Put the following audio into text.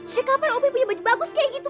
si kapan opi punya baju bagus kayak gitu